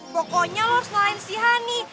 pokoknya lo harus nolain si hany